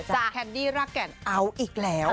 สระแกะดีรักแก่นอ๊าวอีกแล้ว